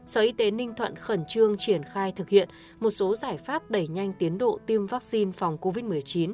sở y tế ninh thuận khẩn trương triển khai thực hiện một số giải pháp đẩy nhanh tiến độ tiêm vaccine phòng covid một mươi chín